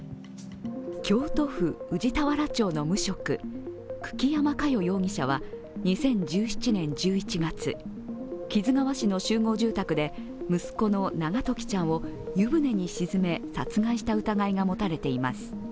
京都府宇治田原町の無職、久木山佳代容疑者は２０１７年１１月、木津川市の集合住宅で息子の永時ちゃんを湯船に沈め殺害した疑いが持たれています。